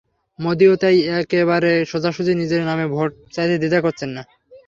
মোদিও তাই একেবারে সোজাসুজি নিজের নামে ভোট চাইতে দ্বিধা করছেন না।